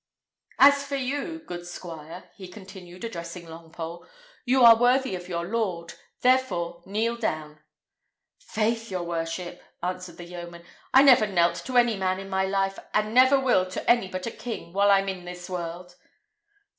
"As for you, good squire," he continued, addressing Longpole, "you are worthy of your lord; therefore kneel down." "Faith, your worship," answered the yeoman, "I never knelt to any man in my life, and never will to any but a king, while I'm in this world!"